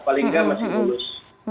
paling tidak masih mulus